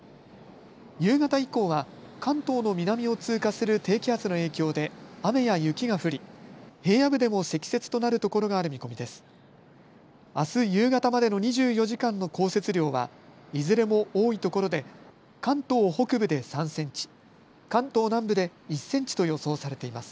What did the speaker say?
夕方以降は関東の南を通過する低気圧の影響で雨や雪が降り平野部でも積雪となる所がある見込みです。